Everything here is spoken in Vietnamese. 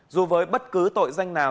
dù với bất cứ tội danh nào